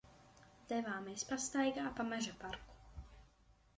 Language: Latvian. Devāmies pastaigā pa Mežaparku.